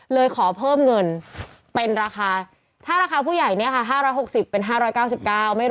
เลยขอเพิ่มเงินเป็นราคา